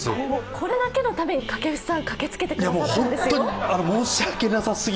これだけのために掛布さん駆けつけてくれたんですよ。